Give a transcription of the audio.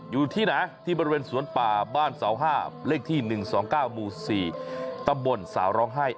อยู่ที่ไหนที่บริเวณสวนป่าบ้านเสา๕เลขที่๑๒๙หมู่๔ตำบลสาวร้องไห้